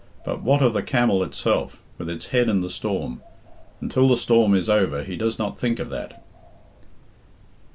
But what of the camel itself, with its head in the storm? Until the storm is over he does not think of that. XIX.